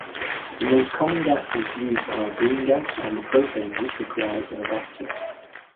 The most common gases used are "green gas" and propane which requires an adaptor.